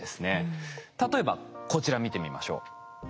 例えばこちら見てみましょう。